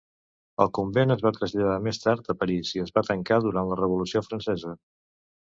El convent es va traslladar més tard a París i es va tancar durant la Revolució Francesa.